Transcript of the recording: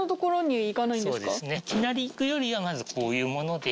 そうですねいきなり行くよりはまずこういうもので。